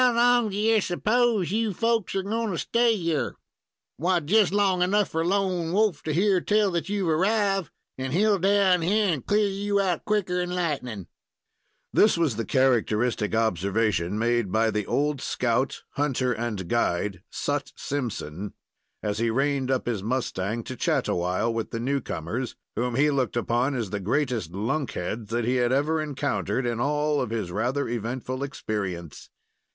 "How long do yer s'pose you folks are goin' to stay yer? Why, just long enough for Lone Wolf to hear tell that you've arriv, and he'll down here and clear you out quicker'n lightning." This was the characteristic observation made by the old scout, hunter and guide, Sut Simpson, as he reined up his mustang to chat awhile with the new comers, whom he looked upon as the greatest lunk heads that he had ever encountered in all of his rather eventful experience.